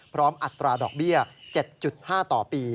อัตราดอกเบี้ย๗๕ต่อปี